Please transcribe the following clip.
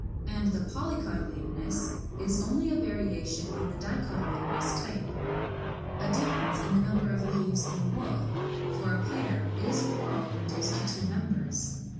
And the polycotyledonous is only a variation of the dicotyledonous type, a difference in the number of leaves in the whorl; for a pair is a whorl reduced to two members.